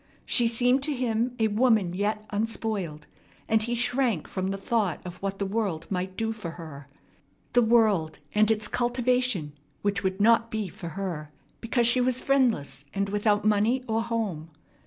She seemed to him a woman yet unspoiled, and he shrank from the thought of what the world might do for her the world and its cultivation, which would not be for her, because she was friendless and without money or home.